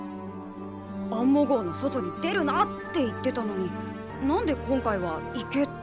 アンモ号の外に出るなって言ってたのに何で今回は行けって言うんだ？